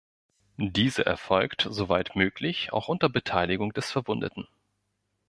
Diese erfolgt soweit möglich auch unter Beteiligung des Verwundeten.